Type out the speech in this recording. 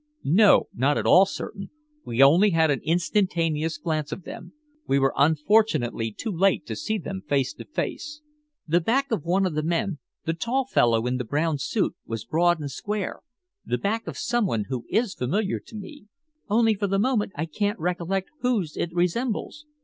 "No, not at all certain. We only had an instantaneous glance of them. We were unfortunately too late to see them face to face." "The back of one of the men, the tall fellow in the brown suit, was broad and square the back of someone who is familiar to me, only for the moment I can't recollect whose it resembles."